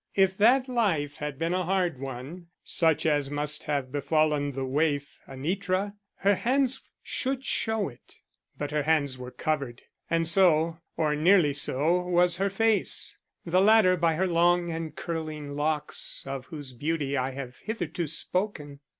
If that life had been a hard one, such as must have befallen the waif, Anitra, her hands should show it. But her hands were covered. And so, or nearly so, was her face; the latter by her long and curling locks of whose beauty I have hitherto spoken.